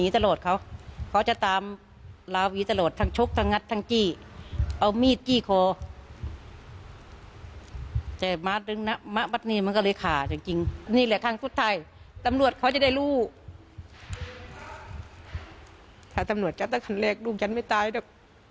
ถ้าตำรวจจัดการแรกลูกฉันไม่ตายเหรอ